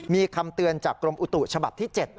มีคำเตือนจากกรมอุตุฉบับที่๗